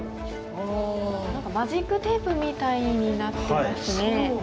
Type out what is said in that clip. マジックテープみたいになってますね。